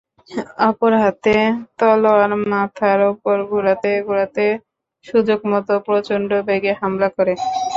অপর হাতে তলোয়ার মাথার উপর ঘুরাতে ঘুরাতে সুযোগমত প্রচণ্ড বেগে হামলা করে।